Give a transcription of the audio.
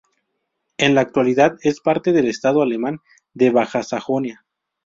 En la actualidad es parte del estado alemán de Baja Sajonia